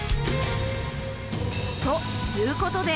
ということで。